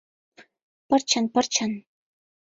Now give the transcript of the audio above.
Пырчын-пырчын.